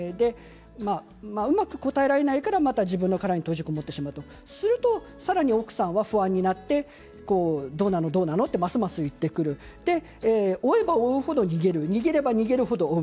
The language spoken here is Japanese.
うまく答えられないからまた自分の殻に閉じこもってしまう、するとさらに奥さんも不安になってどうなの？とますます言ってくる追えば追う程逃げる逃げれば逃げる程追う